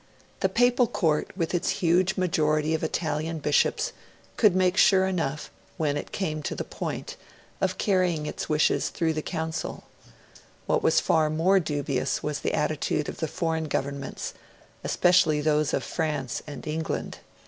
The Papal Court, with its huge majority of Italian Bishops, could make sure enough, when it came to the point, of carrying its wishes through the Council; what was far more dubious was the attitude of the foreign Governments especially those of France and England.